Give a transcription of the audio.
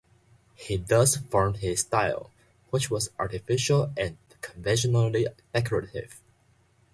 He thus formed his style, which was artificial and conventionally decorative.